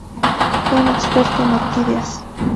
Fue un experto en orquídeas.